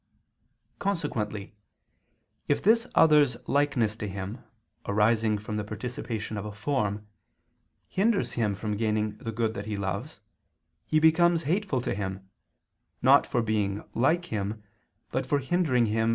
Consequently, if this other's likeness to him arising from the participation of a form, hinders him from gaining the good that he loves, he becomes hateful to him, not for being like him, but for hindering him from gaining his own good.